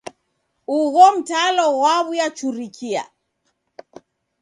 Ugho mtalo ghwaw'uyachurikia.